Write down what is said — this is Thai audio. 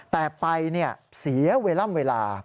แต่ไปเสียเวลามเวลา